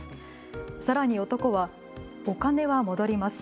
さらに男は、お金は戻ります。